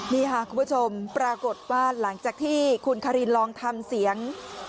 นี่ค่ะคุณผู้ชมปรากฏว่าหลังจากที่คุณคารินลองทำเสียง